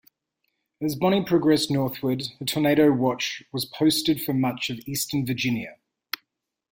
As Bonnie progressed northward, a tornado watch was posted for much of eastern Virginia.